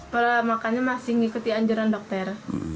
pola makannya masih mengikuti anjuran dokter